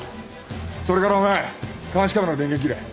それからお前監視カメラの電源切れ。